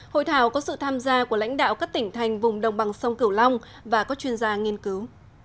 hội thảo có sự tham gia của lãnh đạo các tỉnh thành vùng đồng bằng sông cửu long và các chuyên gia nghiên cứu